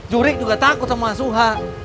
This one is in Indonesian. juri juga takut sama mas suha